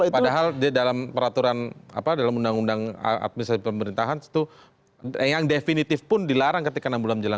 padahal di dalam peraturan dalam undang undang administrasi pemerintahan itu yang definitif pun dilarang ketika enam bulan menjelang